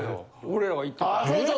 俺らが行った時。